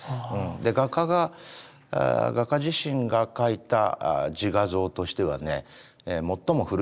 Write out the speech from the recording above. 画家が画家自身が描いた自画像としては最も古いものだと思いますよ。